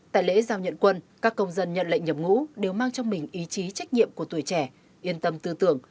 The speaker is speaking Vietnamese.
tại lễ giao nhận quân các công dân nhận lệnh nhập ngũ đều mang trong mình ý chí trách nhiệm của tuổi trẻ yên tâm tư tưởng